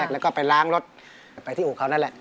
แล้วก็ไปล้างรถไปที่อู่เขานั่นแหละ